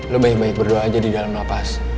lo baik baik berdoa aja di dalam nafas